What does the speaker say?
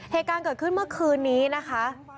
เหตุการณ์เกิดขึ้นเมื่อคืนนี้นะคะ